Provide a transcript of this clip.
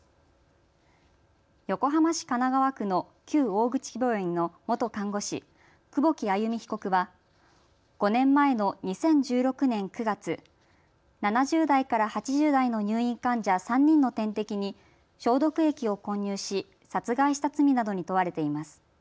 横浜市神奈川区の旧大口病院の元看護師、久保木愛弓被告は５年前の２０１６年９月、７０代から８０代の入院患者３人の点滴に消毒液を混入し殺害した罪などに問われています。